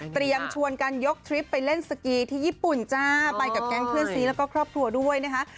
ชวนกันยกทริปไปเล่นสกีที่ญี่ปุ่นจ้าไปกับแก๊งเพื่อนซีแล้วก็ครอบครัวด้วยนะคะ